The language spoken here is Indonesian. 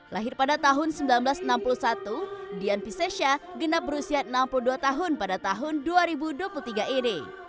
lahir pada tahun seribu sembilan ratus enam puluh satu dian piscesha genap berusia enam puluh dua tahun pada tahun dua ribu dua puluh tiga ini